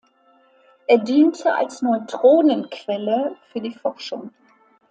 Er diente als Neutronenquelle für die Forschung.